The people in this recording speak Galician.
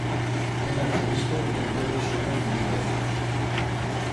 Era arcebispo D. Pedro Suárez de Deza.